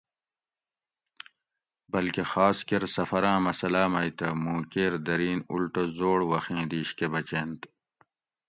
بلکہ خاص کۤر سفراۤں مسلاۤ مئی تہ مُوں کیر درین اُلٹہ زوڑ وخیں دِیش کہ بچینت